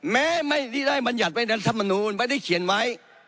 ไม่ได้ได้บรรยัติไว้ในรัฐมนูลไม่ได้เขียนไว้